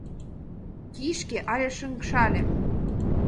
Кишке але шыҥшале!